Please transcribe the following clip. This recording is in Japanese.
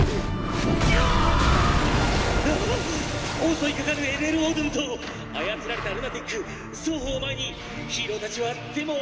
襲いかかるＬ．Ｌ．オードゥンと操られたルナティック双方を前にヒーローたちは手も足も出ません！」